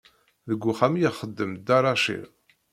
Deg uxxam i ixeddem Dda Racid.